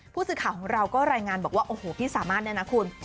ผู้สื่อข่าวของเราก็รายงานบอกว่าโอ้โหพี่สามารถเนี่ยนะคุณ